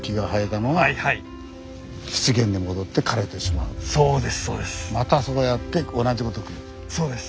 またそうやって同じことを繰り返す。